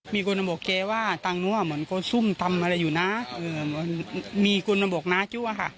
มีคนมันบอกเจ๊ว่าต่างนู่นเหมือนก็ซุ่มทำอะไรอยู่น่ะมีคนมันบอกน่าจู่อ่ะค่ะ